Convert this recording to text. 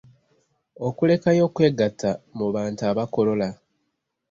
Okulekayo okwegatta mu bantu abakolola.